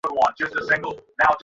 এবং এটা ছিল বহির্বিশ্বে।